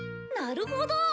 なるほど。